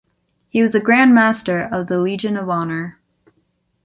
He was the Grand Master of the Legion of Honor.